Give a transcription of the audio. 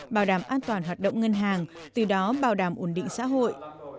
bảo đảm an toàn hoạt động ngân hàng từ đó bảo đảm ổn định xã hội